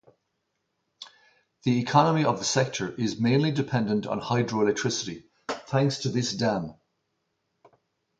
The economy of the sector is mainly dependent on hydroelectricity thanks to this dam.